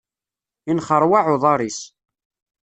Inxeṛwaɛ uḍaṛ-is.